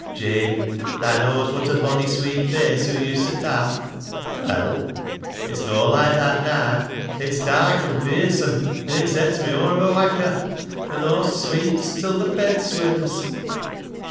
Jabe, thaa knaaws wot a bonny sweet face hoo uset have." "Well?" " It's noa loikc that naa ; it's dark an' fearsome, an' it sets me aw of a whacker. An' Aw swecats till th' bed swims."